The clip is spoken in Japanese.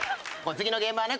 次の現場はね